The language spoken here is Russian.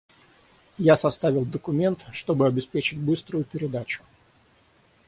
Я составил документ, чтобы обеспечить быструю передачу.